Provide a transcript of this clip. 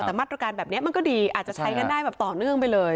แต่มาตรการแบบนี้มันก็ดีอาจจะใช้กันได้แบบต่อเนื่องไปเลย